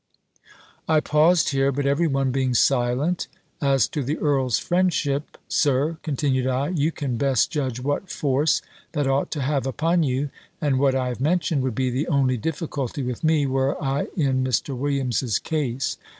I paused here; but every one being silent "As to the earl's friendship, Sir," continued I, "you can best judge what force that ought to have upon you; and what I have mentioned would be the only difficulty with me, were I in Mr. Williams's case.